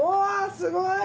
すごい。